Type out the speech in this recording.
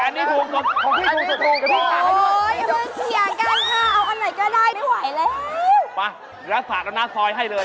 แต่อันนี้ถูกสุดของพี่ถูกสุดกันบ้างพี่สาเหตุให้ด้วย